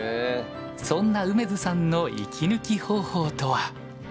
そんな梅津さんの息抜き方法とは。